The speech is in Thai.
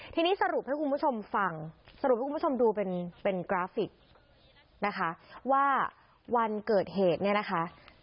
ทีนี้สรุปให้คุณผู้ชมฟังสรุปให้คุณผู้ชมดูเป็นเป็นกราฟิกนะคะว่าวันเกิดเหตุเนี่ยนะคะ